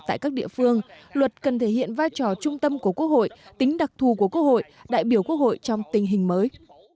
tại các địa phương luật cần thể hiện vai trò trung tâm của quốc hội tính đặc thù của quốc hội đại biểu quốc hội trong tình hình mới